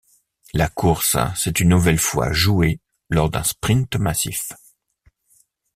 La course s'est une nouvelle fois jouée lors d'un sprint massif.